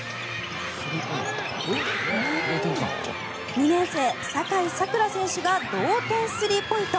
２年生、境さくら選手が同点スリーポイント。